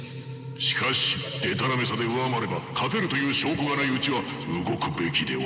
しかしでたらめさで上回れば勝てるという証拠がないうちは動くべきでは。